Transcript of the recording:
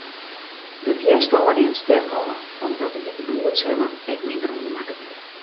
De wjerstân nimt sterk ôf, omdat de wite bloedsellen ek minder oanmakke wurde.